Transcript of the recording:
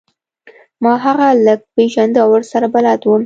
ما هغه لږ پیژنده او ورسره بلد وم